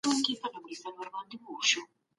شاه خلکو ته د یووالي او ورورۍ پیغام ورکولو.